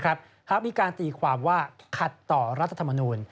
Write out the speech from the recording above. ก็อาจจะไม่เกิดขึ้นนะครับครับมีการตีความว่าขัดต่อรัฐธรรมนุน